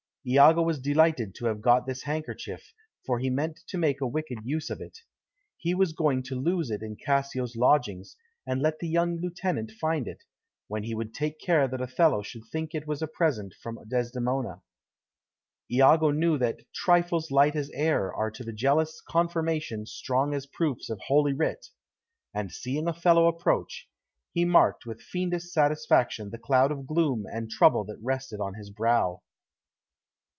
Iago was delighted to have got this handkerchief, for he meant to make a wicked use of it. He was going to lose it in Cassio's lodgings, and let the young lieutenant find it, when he would take care that Othello should think it was a present from Desdemona. Iago knew that "Trifles light as air are to the jealous confirmation strong as proofs of holy writ," and seeing Othello approach, he marked with fiendish satisfaction the cloud of gloom and trouble that rested on his brow.